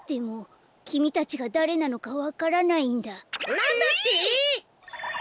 なんだって！？